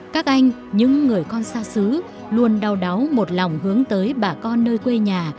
các anh những người con xa xứ luôn đau đáu một lòng hướng tới bà con nơi quê nhà